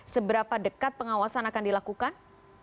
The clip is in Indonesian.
seberapa dekat pengawasan akan dilakukan